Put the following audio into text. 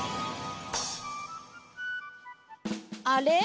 あれ？